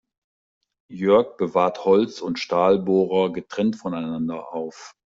Jörg bewahrt Holz- und Stahlbohrer getrennt voneinander auf.